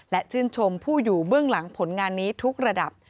และชื่นชมผู้อยู่เบื้องหลังผลงานนี้ทุกระดับ